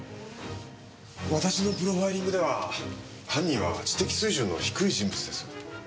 私のプロファイリングでは犯人は知的水準の低い人物です。